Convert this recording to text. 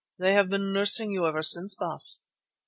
They have been nursing you ever since, Baas."